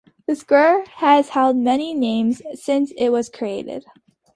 The square has held many names since it was created.